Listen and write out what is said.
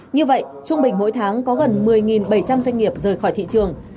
như vậy trung bình mỗi tháng có gần một mươi bảy trăm linh doanh nghiệp rời khỏi thị trường